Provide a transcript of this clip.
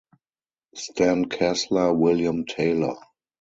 Stan Kesler - William Taylor.